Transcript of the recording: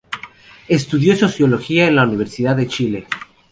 Estudió Sociología en la Universidad de Chile.